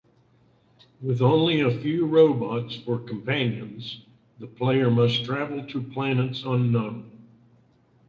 With only a few robots for companions, the player must travel to planets unknown.